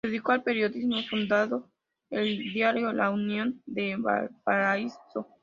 Se dedicó al periodismo, fundando el diario "La Unión" de Valparaíso.